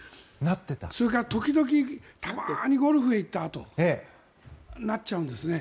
それから時々たまにゴルフへ行ったあとなっちゃうんですね。